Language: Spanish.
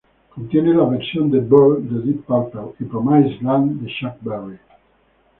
Contiene las versiones de "Burn" de Deep Purple y "Promised Land" de Chuck Berry.